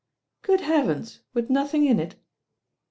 "Good heavens I with nothing in it?"